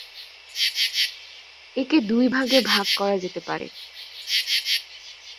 একে দুই ভাগে ভাগ করা যেতে পারে।